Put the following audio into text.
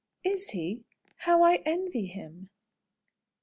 "Is he? How I envy him!"